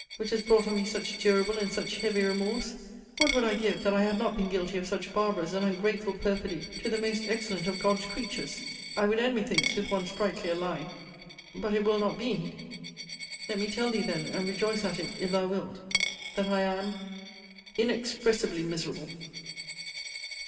] which has brought on me such durable and such heavy remorse! what would I give that I had not been guilty of such barbarous and ungrateful perfidy to the most excellent of God's creatures! I would end, methinks, with one sprightlier line! but it will not be. Let me tell thee then, and rejoice at it if thou wilt, that I am Inexpressibly miserable!